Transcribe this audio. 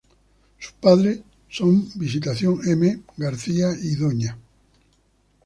Sus padres son Visitación M. García y Dña.